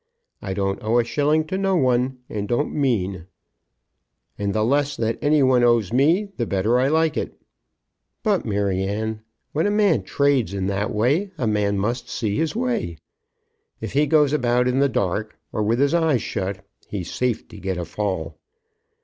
I don't owe a shilling to no one, and don't mean; and the less that any one owes me, the better I like it. But Maryanne, when a man trades in that way, a man must see his way. If he goes about in the dark, or with his eyes shut, he's safe to get a fall.